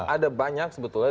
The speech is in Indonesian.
ada banyak sebetulnya